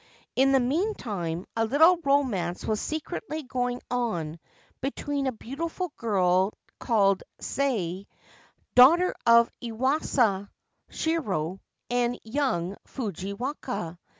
In the meantime a little romance was secretly going on between a beautiful girl called Tae, daughter of Iwasa Shiro, and young Fujiwaka.